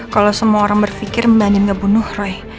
kalau semua orang berpikir mbak andin gak bunuh roy